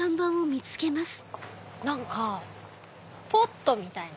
何かポットみたいな。